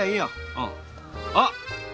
うん。あっ！